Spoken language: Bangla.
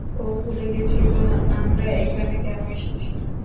ও ভুলে গেছিলো, আমরা এখানে কেন এসেছি।